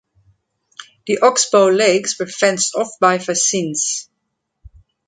The oxbow lakes were fenced off by fascines.